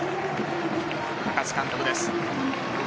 高津監督です。